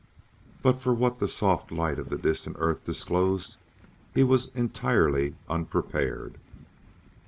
But for what the soft light of that distant Earth disclosed he was entirely unprepared.